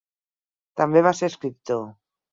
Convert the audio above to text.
També va ser escriptor.